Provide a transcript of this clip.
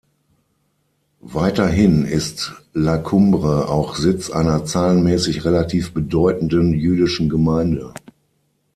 Weiterhin ist La Cumbre auch Sitz einer zahlenmäßig relativ bedeutenden jüdischen Gemeinde.